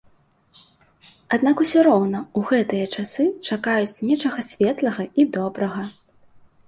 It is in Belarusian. Аднак усё роўна ў гэтыя часы чакаюць нечага светлага і добрага.